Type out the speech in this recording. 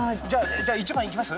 じゃあ１番いきます？